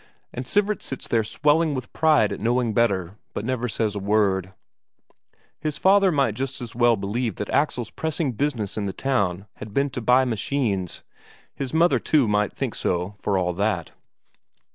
And Sivert sits there swelling with pride at knowing better, but says never a word. His father might just as well believe that Axel's pressing business in the town had been to buy machines; his mother too might think so for all that.